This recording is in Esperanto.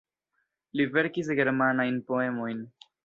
Li verkis germanajn poemojn.